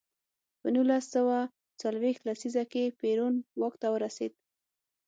په نولس سوه څلویښت لسیزه کې پېرون واک ته ورسېد.